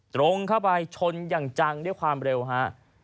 ตรงเข้าไปชนอย่างจังด้วยความเร็วฮะ